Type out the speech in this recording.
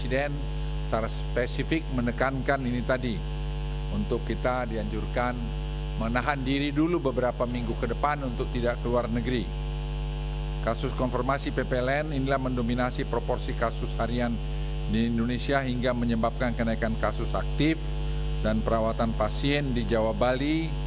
inilah mendominasi proporsi kasus harian di indonesia hingga menyebabkan kenaikan kasus aktif dan perawatan pasien di jawa bali